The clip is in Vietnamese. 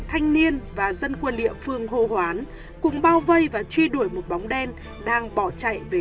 thanh niên và dân quân địa phường hồ hoán cùng bao vây và truy đuổi một bóng đen đang bỏ chạy về